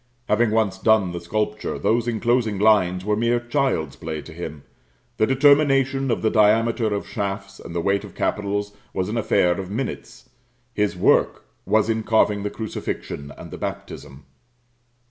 Having once done the sculpture, those enclosing lines were mere child's play to him; the determination of the diameter of shafts and height of capitals was an affair of minutes; his work was in carving the Crucifixion and the Baptism.